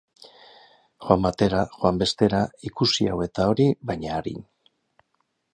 Joan batera, joan bestera, ikusi hau eta hori, baina arin.